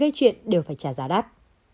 gây chuyện đều phải trả giá đắt